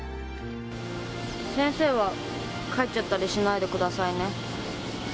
先生は帰っちゃったりしないでくださいね。